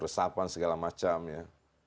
resapan segala macam ya